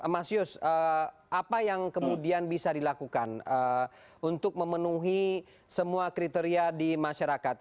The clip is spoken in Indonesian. mas yus apa yang kemudian bisa dilakukan untuk memenuhi semua kriteria di masyarakat